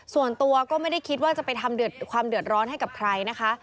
ส่วนตัวก็ไม่ได้คิดว่าจะไปทำความเดือดร้อนให้กับใครนะคะ